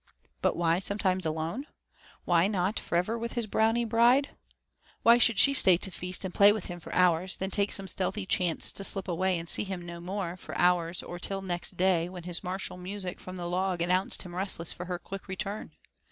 But why sometimes alone? Why not forever with his Brownie bride? Why should she stay to feast and play with him for hours, then take some stealthy chance to slip away and see him no more for hours or till next day, when his martial music from the log announced him restless for her quick return?